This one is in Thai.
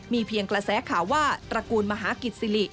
มีเพียงกระแสข่าวว่าตระกูลมหากิจสิริ